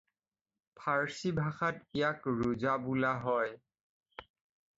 ফাৰ্চী ভাষাত ইয়াক ৰোজা বোলা হয়।